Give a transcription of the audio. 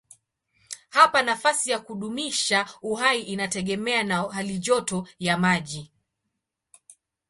Hapa nafasi ya kudumisha uhai inategemea na halijoto ya maji.